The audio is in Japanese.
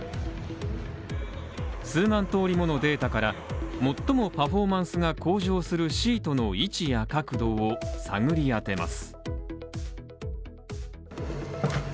数万通りものデータから最もパフォーマンスが向上するシートの位置や角度を探り当てます。